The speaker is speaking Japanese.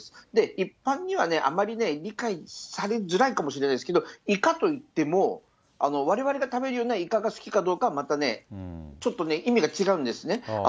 一般にはあまり理解されづらいかもしれないですけれども、イカといっても、われわれが食べるようなイカが好きかどうかは、またちょっと意味が違うんですね。